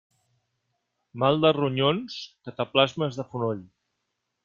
Mal de ronyons, cataplasmes de fonoll.